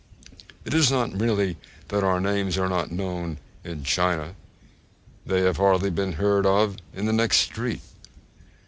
It is not merely that our names are not known in China they have hardly been heard of in the next street.